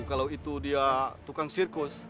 kalau itu dia tukang sirkus